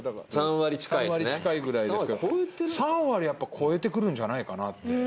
３割やっぱ超えてくるんじゃないかなって。